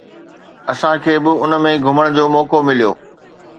اسان کي به ان ۾ گهمڻ جو موقعو مليو.